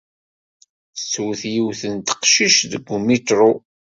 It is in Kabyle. Tettwet yiwet n teqcict deg umiṭru.